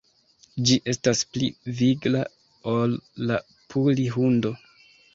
Ĝi estas pli vigla ol la puli-hundo.